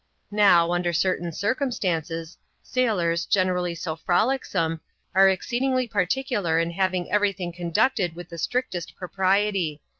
Now, under certain circumstances, sailors, generally so frolicsome, are ex ceedingly particular in having every thing conducted with the strictest propriety.